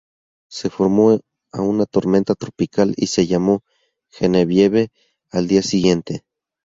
Se formó a una tormenta tropical y se llamó Genevieve al día siguiente.